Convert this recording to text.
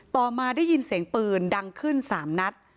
ต่อมาได้ยินเสียงปืนดังขึ้น๓นัด